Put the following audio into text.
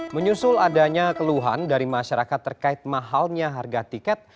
menyusul adanya keluhan dari masyarakat terkait mahalnya harga tiket